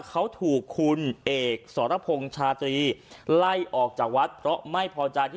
เขาถูกคุณเอกสรพงศ์ชาตรีไล่ออกจากวัดเพราะไม่พอใจที่